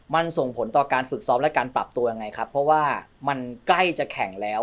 มันส่งผลต่อการฝึกซ้อมและการปรับตัวยังไงครับเพราะว่ามันใกล้จะแข่งแล้ว